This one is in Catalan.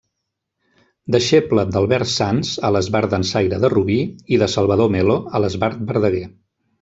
Deixeble d'Albert Sans, a l'Esbart Dansaire de Rubí, i de Salvador Melo, a l'Esbart Verdaguer.